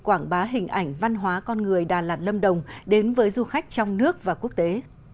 quảng bá hình ảnh văn hóa con người đà lạt lâm đồng đến với du khách trong nước và quốc tế